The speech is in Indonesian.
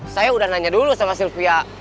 saya udah nanya dulu sama sylvia